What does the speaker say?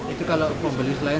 itu kalau pembeli selain